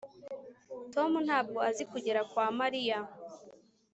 tom ntabwo azi kugera kwa mariya